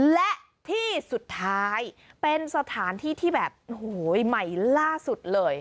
และที่สุดท้ายเป็นสถานที่ที่แบบโอ้โหใหม่ล่าสุดเลย